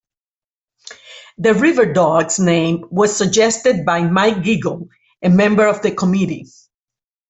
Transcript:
The "Riverdogs" name was suggested by Mike Geigel, a member of the committee.